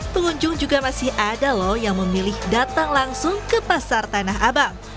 pengunjung juga masih ada loh yang memilih datang langsung ke pasar tanah abang